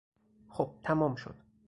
خب، تمام شد!